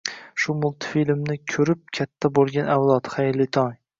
Shu multfilmni ko'rib katta bo'lgan avlod, xayrli tong!